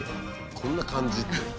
「こんな感じ」って。